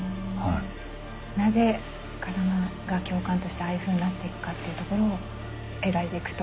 なぜ風間が教官としてああいうふうになっていくかっていうところを描いていくと。